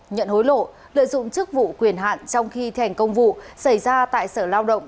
nhận hối lộ lợi dụng chức vụ quyền hạn trong khi thành công vụ xảy ra tại sở lao động